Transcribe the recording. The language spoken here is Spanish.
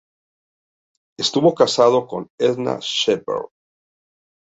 Estuvo casado con Edna Shephard.